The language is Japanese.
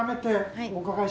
はい。